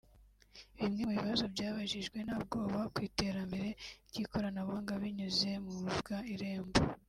Bimwe mu bibazo byabajijwe Ntabwoba ku iterambere ry’ikoranabuhanga binyuze mu rubuga Irembo